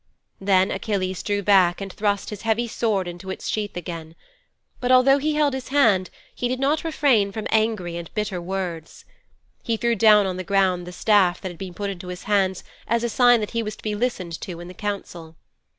Then Achilles drew back and thrust his heavy sword into its sheath again. But although he held his hand he did not refrain from angry and bitter words. He threw down on the ground the staff that had been put into his hands as a sign that he was to be listened to in the council.